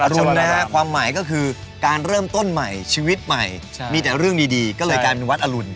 รุนนะฮะความหมายก็คือการเริ่มต้นใหม่ชีวิตใหม่มีแต่เรื่องดีก็เลยกลายเป็นวัดอรุณ